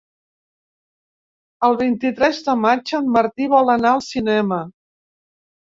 El vint-i-tres de maig en Martí vol anar al cinema.